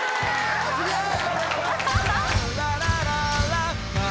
すげえ！